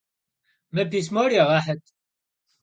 Mı pismor yêğehıt!